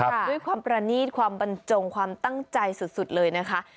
ด้วยความประนีตความบรรจงความตั้งใจสุดเลยนะคะ